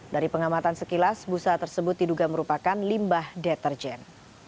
dari pengamatan sekilas busa tersebut diduga merupakan limbah deterjen